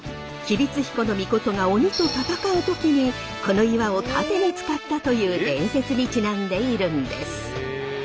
命が鬼と戦う時にこの岩を盾に使ったという伝説にちなんでいるんです。